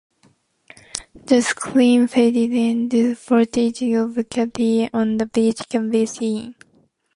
The screen fades, and footage of Katie on the beach can be seen.